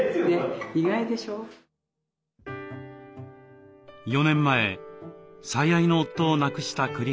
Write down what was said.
４年前最愛の夫を亡くした栗原さん。